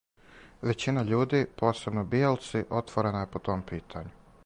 Већина људи, посебно бијелци, отворена је по том питању.